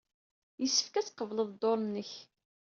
Yessefk ad tqebled dduṛ-nnek.